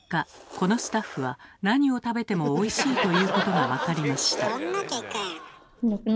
このスタッフは何を食べても「おいしい」と言うことが分かりました。